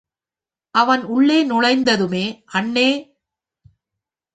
அவன் உள்ளே நுழைந்ததுமே, அண்ணே!